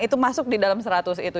itu masuk di dalam seratus itu